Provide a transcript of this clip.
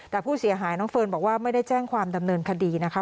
แต่ผู้เสียหายน้องเฟิร์นบอกว่าไม่ได้แจ้งความดำเนินคดีนะคะ